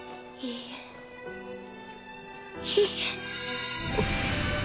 いいえ。